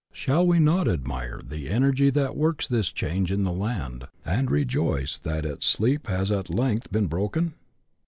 Shall we not admire the energy that works this change in the land, and rejoice that its sleep has at length been broken